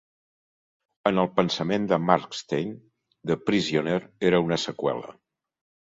En el pensament de Markstein, "The Prisoner·" era una seqüela.